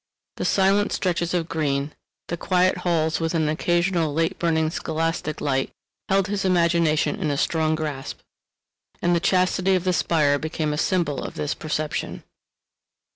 The silent stretches of green, the quiet halls with an occasional late burning scholastic light held his imagination in a strong grasp, and the chastity of the spire became a symbol of this perception.